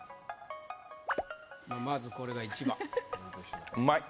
まずこれが１番うまい？